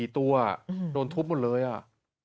๔ตัวโดนทุบหมดเลยอ่ะ